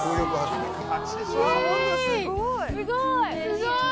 すごい！